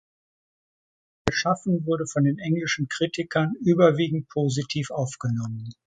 Ihr Schaffen wurde von den englischen Kritikern überwiegend positiv aufgenommen.